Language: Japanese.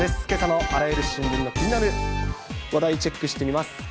けさのあらゆる新聞の気になる話題をチェックしてみます。